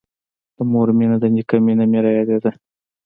د مور مينه د نيکه مينه مې رايادېده.